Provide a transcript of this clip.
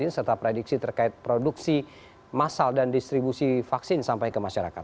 serta prediksi terkait produksi masal dan distribusi vaksin sampai ke masyarakat